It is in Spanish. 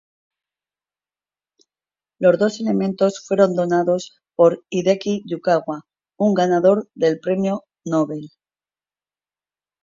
Los dos elementos fueron donados por Hideki Yukawa un ganador del Premio Nobel.